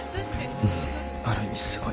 うんある意味すごい。